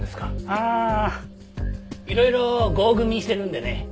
あーいろいろ合組してるんでね。